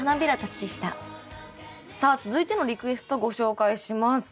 さあ続いてのリクエストご紹介します。